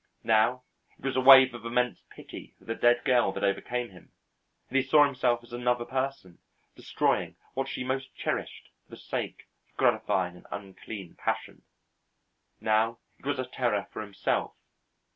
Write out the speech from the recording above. Now, it was a wave of an immense pity for the dead girl that overcame him, and he saw himself as another person, destroying what she most cherished for the sake of gratifying an unclean passion. Now, it was a terror for himself.